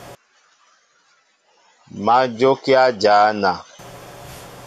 Má jókíá jăna.